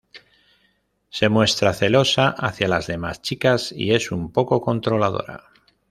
Se muestra celosa hacia las demás chicas y es un poco controladora.